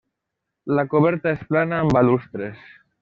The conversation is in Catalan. La coberta és plana amb balustres.